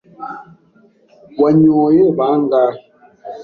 Wanyoye bangahe?